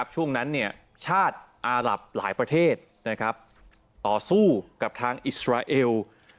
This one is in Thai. ช่วงนั้นชาติอารับหลายประเทศต่อสู้กับทางอิสราเอล